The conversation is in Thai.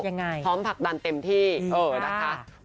ยังไงพร้อมผักดันเต็มที่ดีค่ะ